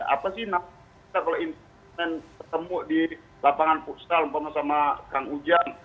apa sih nama kita kalau kita ketemu di lapangan pusat sama kang ujan